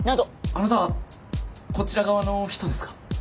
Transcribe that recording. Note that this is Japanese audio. あなたこちら側の人ですか？